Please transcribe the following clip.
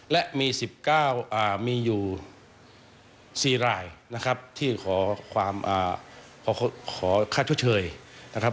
และมี๑๙มีอยู่๔รายนะครับที่ขอค่าชดเชยนะครับ